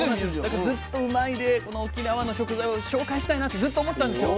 だからずっと「うまいッ！」でこの沖縄の食材を紹介したいなってずっと思ってたんですよ。